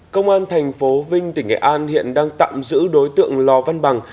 công an thành phố vinh tỉnh nghệ an hiện đang tạm giữ đối tượng lò văn bằng